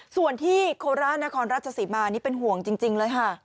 ส่วนที่โคราชนครราชสีมานี่เป็นห่วงจริงเลยค่ะ